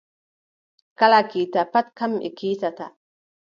Kala kiita pat kamɓe kiitata.